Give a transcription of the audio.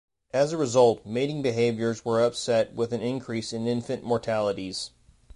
As a result, mating behaviors were upset with an increase in infant mortalities.